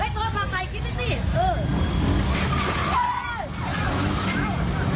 เฮ้ยคุณสัตว์ไทยคิดดิ